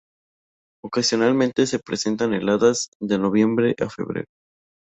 Ocasionalmente se presentan heladas de noviembre a febrero.